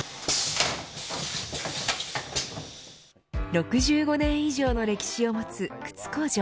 ６５年以上の歴史を持つ靴工場。